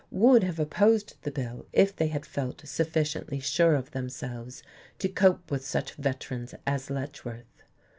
would have opposed the bill if they had felt sufficiently sure of themselves to cope with such veterans as Letchworth.